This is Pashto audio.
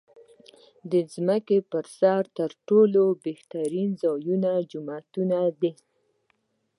د ځمکې پر سر تر ټولو بهترین ځایونه جوماتونه دی .